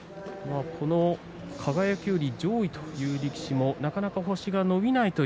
輝より上位という力士も星が伸びていません。